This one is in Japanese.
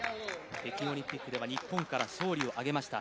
北京オリンピックでは日本から勝利を挙げました。